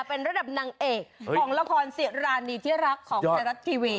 เป็นระดับนางเอกของละครสิรานีที่รักของไทยรัฐทีวี